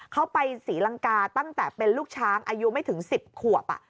เขาไปศรีลังกาตั้งแต่เป็นลูกช้างอายุไม่ถึง๑๐ขวบ